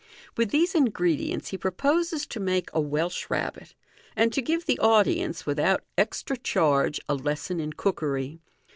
With these ingredients he proposes to make a Welsh Rabbit, and to give the audience, without extra charge, a lesson in cookery.